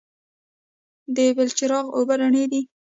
د بلچراغ اوبه رڼې دي